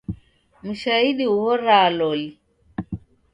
Mshaidi ughoraa loli.